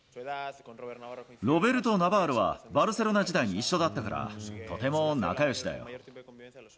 ロベルト・ナバーロは、バルセロナ時代に一緒だったから、とても仲よしだよ。